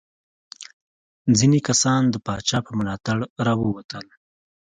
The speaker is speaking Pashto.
ځینې کسان د پاچا په ملاتړ راووتل.